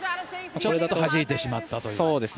ちょっとはじいてしまったという。